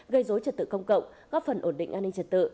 gây dối trật tự công cộng góp phần ổn định an ninh trật tự